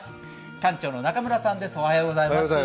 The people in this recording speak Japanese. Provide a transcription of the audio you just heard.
館長の中村さんです。